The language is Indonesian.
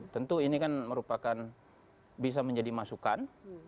tentu ini kan merupakan bisa menjadi masukan